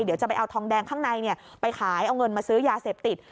เดี๋ยวจะไปเอาทองแดงข้างในไปขายเอาเงินมาซื้อยาเสพติด